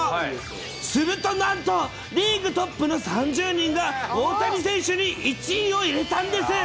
するとなんと、リーグトップの３０人が大谷選手に１位を入れたんです。